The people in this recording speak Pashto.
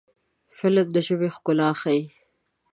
فلم د ژبې ښکلا ښيي